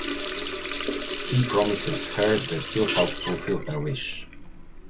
He promises her that he’ll help fulfil her wish.